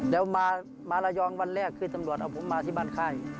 แล้วมาระยองวันแรกคือตำรวจเอาผมมาที่บ้านค่าย